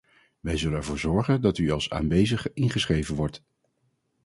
Wij zullen ervoor zorgen dat u als aanwezig ingeschreven wordt.